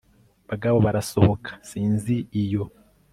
bagabo barasohoka sinzi iyo